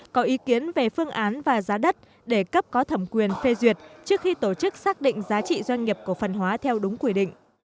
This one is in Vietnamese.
có ý kiến về phương án và giá đất để cấp có thẩm quyền phê duyệt trước khi tổ chức xác định giá trị doanh nghiệp cổ phần hóa theo đúng quy định